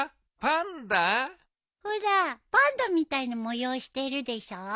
ほらパンダみたいな模様してるでしょ？